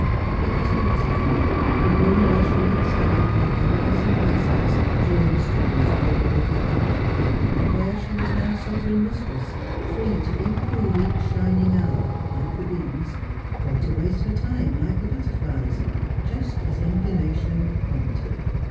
It was Dulcie's room, the room where she Father and Daughter 13 studied with governess and masters during the studious period of her life, and where she was now sovereign mistress, free to improve each shining hour, like the bees, or to waste her time, like the butterflies, just as inclination prompted.